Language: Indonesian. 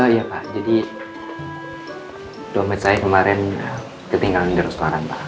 iya pak jadi domain saya kemarin ketinggalan di restoran pak